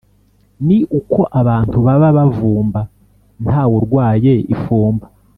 ni uko abantu baba bavumba ntawe urwaye ifumba